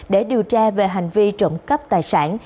để điều tra về hành vi trộm cắp tài sản